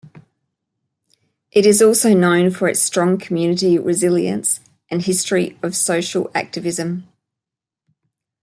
It is also known for its strong community resilience and history of social activism.